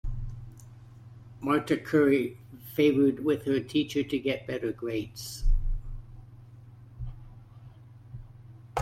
Marta curry favored with her teacher to get better grades.